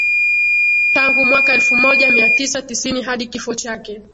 tangu mwaka elfu moja mia tisa tisini hadi kifo chake